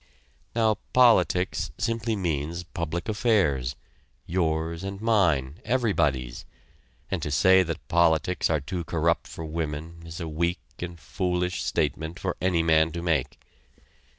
Now politics simply means public affairs yours and mine, everybody's and to say that politics are too corrupt for women is a weak and foolish statement for any man to make.